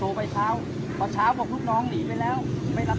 ตอนนี้กำหนังไปคุยของผู้สาวว่ามีคนละตบ